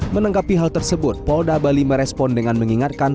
menanggapi hal tersebut polda bali merespon dengan mengingatkan